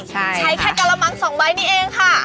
ใช้แค่กระมัง๒ใบนี่เองค่ะ